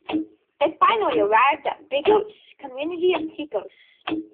They finally arrived at Bigotes's community of Pecos.